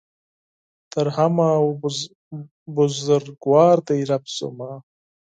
تر همه ؤ بزرګوار دی رب زما